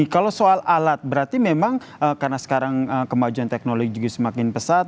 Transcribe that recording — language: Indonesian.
kalau soal alat berarti memang karena sekarang kemajuan teknologi juga semakin pesat